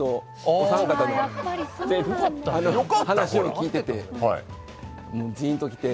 お三方の話を聞いててジーンと来て。